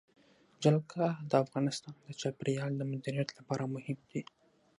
جلګه د افغانستان د چاپیریال د مدیریت لپاره مهم دي.